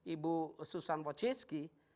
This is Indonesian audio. ibu susan wojcicki